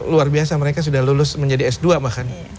luar biasa mereka sudah lulus menjadi s dua bahkan